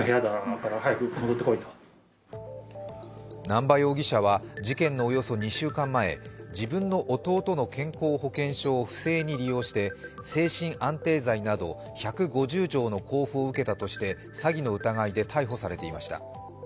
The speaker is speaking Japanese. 南波容疑者は事件のおよそ２週間前、自分の弟の健康保険証を不正に利用して精神安定剤など１５０錠の交付を受けたとして詐欺の疑いで逮捕されていました。